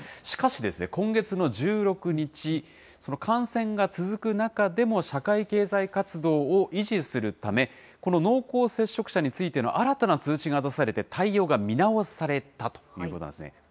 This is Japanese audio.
しかし、今月の１６日、その感染が続く中でも社会経済活動を維持するため、この濃厚接触者についての新たな通知が出されて対応が見直されたということなんですね。